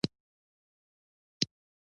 کريم : له ځان سره يې ووېل: